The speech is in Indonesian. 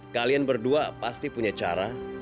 kalian berdua pasti punya cara